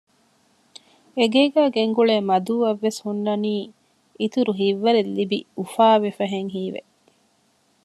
އެ ގޭގައި ގެންގުޅޭ މަދޫއަށް ވެސް ހުންނަނީ އިތުރު ހިތްވަރެއް ލިބި އުފާވެފަހެން ހީވެ